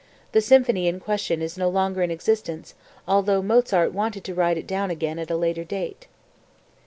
The symphony in question is no longer in existence, although Mozart wanted to write it down again at a later date.)